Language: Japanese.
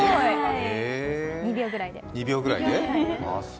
２秒ぐらいで。